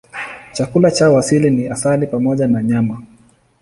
Chakula chao asili ni asali pamoja na nyama.